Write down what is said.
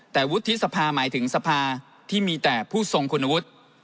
แต่วุฒิสภาหมายถึงสภาที่มีแต่ผู้ทรงคุณวุฒิ